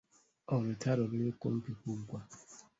Oluutalo luli kumpi kuggwa.